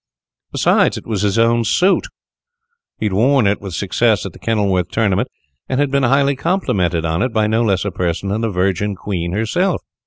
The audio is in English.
Besides it was his own suit. He had worn it with great success at the Kenilworth tournament, and had been highly complimented on it by no less a person than the Virgin Queen herself.